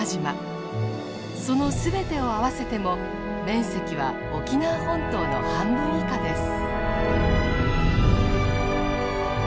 その全てを合わせても面積は沖縄本島の半分以下です。